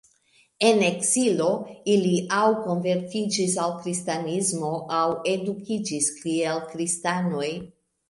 En ekzilo ili aŭ konvertiĝis al kristanismo aŭ edukiĝis kiel kristanoj.